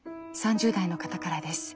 ３０代の方からです。